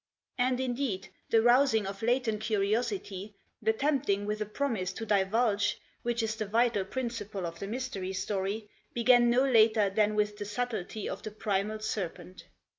And indeed the rousing of latent curiosity, the tempting with a promise to divulge, which is the vital principle of the mystery story, began no later than with the subtlety of the Primal Serpent.